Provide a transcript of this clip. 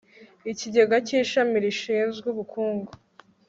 ikigega kishami rishinzwe ubukungu